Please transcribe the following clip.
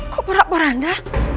kok porak porak anda